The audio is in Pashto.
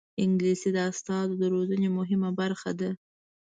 انګلیسي د استازو د روزنې مهمه برخه ده